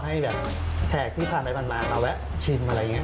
ให้แขกที่พาแม่มันมาเอาไว้ชิมอะไรอย่างนี้